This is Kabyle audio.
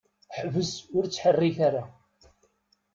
Ḥbes ur ttḥerrik ara!